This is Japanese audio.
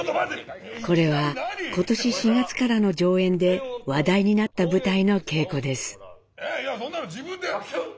これは今年４月からの上演で話題になった舞台の稽古です。